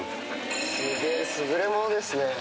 すげぇ、優れもんですね。